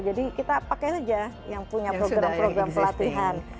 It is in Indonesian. kita pakai saja yang punya program program pelatihan